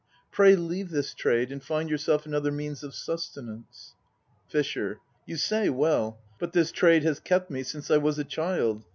Pray leave this trade and find yourself another means of sustenance. FISHER. You say well. But this trade has kept me since I was a child.